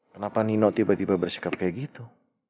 kenapa nino tiba tiba bersikap kayak gitu